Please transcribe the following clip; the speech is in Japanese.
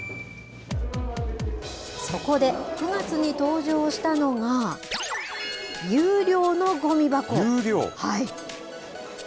そこで９月に登場したのが、有料？